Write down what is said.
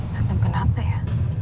berantem kenapa ya